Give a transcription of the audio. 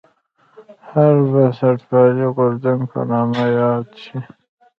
هر بنسټپالی غورځنګ په نامه یاد شي.